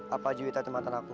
apa juwita itu mantan aku